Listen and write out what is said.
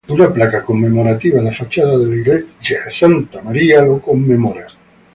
Una placa conmemorativa en la fachada de la Iglesia de Santa María lo conmemora.